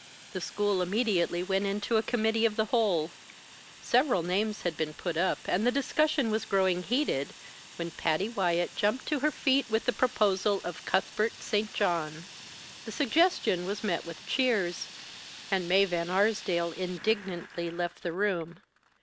The school immediately went into a committee of the whole. Several names had been put up, and the discussion was growing heated, when Patty Wyatt jumped to her feet with the proposal of "Cuthbert St. John." The suggestion was met with cheers; and Mae Van Arsdale indignantly left the room.